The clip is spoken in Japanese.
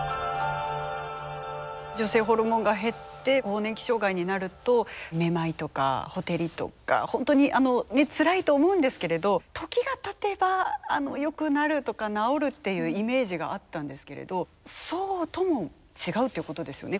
女性ホルモンが減って更年期障害になるとめまいとかほてりとか本当につらいと思うんですけれど時がたてばよくなるとか治るっていうイメージがあったんですけれどそうとも違うということですよね。